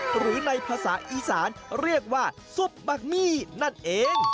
หรือในภาษาอีสานเรียกว่าซุปบักมี่นั่นเอง